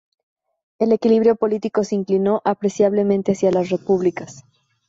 El equilibrio político se inclinó apreciablemente hacia las repúblicas.